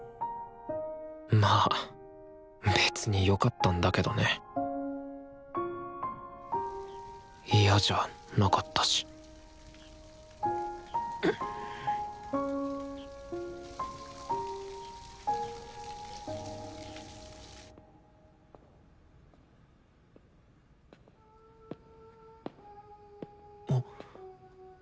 まあ別によかったんだけどね嫌じゃなかったし・あっ。